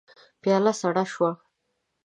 پياله سړه شوه.